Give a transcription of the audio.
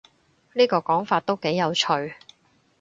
呢個講法都幾有趣